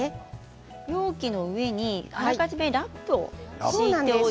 容器の上にあらかじめラップを敷いておいて。